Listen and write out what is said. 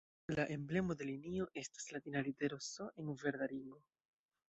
La emblemo de linio estas latina litero "S" en verda ringo.